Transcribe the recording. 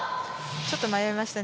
ちょっと迷いましたね。